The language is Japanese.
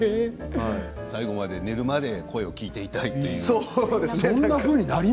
最後まで、寝るまで声を聞いていたいと。